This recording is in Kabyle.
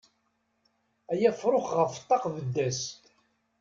Ay afrux ɣef ṭṭaq bedd-as.